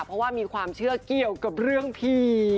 เพราะว่ามีความเชื่อเกี่ยวกับเรื่องผี